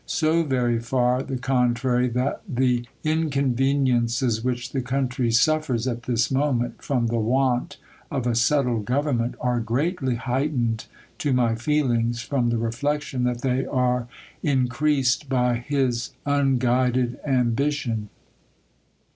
So very far the contrary, that the incon veniences which the country suffers at this moment, from the want of a settled government, arc greatly heightened to my feelings, from the reflection that they are i) creased by his unguided ambition.